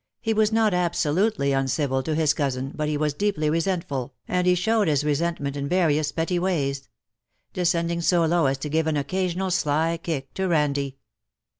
He was not absolutely uncivil to his cousin, but he was deeply resentful, and he showed his resentment in various petty ways — descending so low as to give an occasional sly kick to Randie.